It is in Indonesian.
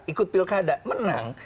ikut pilkada menang